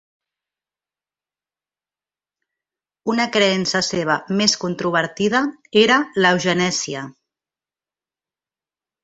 Una creença seva més controvertida era l'eugenèsia.